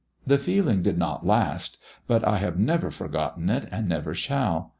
The feeling did not last, but I have never forgotten it, and never shall.